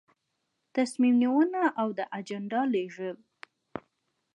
تصمیم نیونه او د اجنډا لیږل.